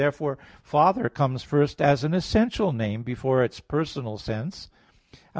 Therefore "Father" comes first as an essential name before its personal sense. Obj.